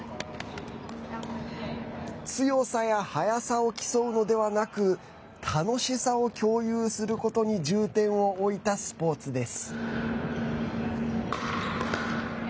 強さや速さを競うのではなく楽しさを共有することに重点を置いたスポーツです。